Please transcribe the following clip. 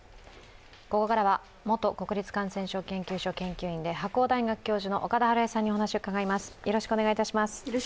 ここからは元国立感染症研究所研究員で白鴎大学教授の岡田晴恵さんにお話を伺います。